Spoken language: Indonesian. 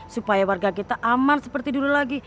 supaya warga kita aman seperti dulu lagi